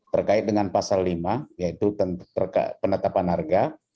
terkait dengan pasal lima yaitu penetapan harga